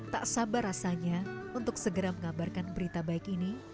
tak sabar rasanya untuk segera mengabarkan berita baik ini